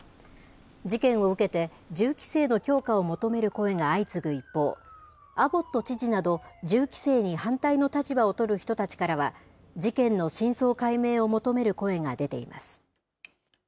事件を受けて、銃規制の強化を求める声が相次ぐ一方、アボット知事など、銃規制に反対の立場を取る人たちからは、事件の真相解明を求める声が出ています。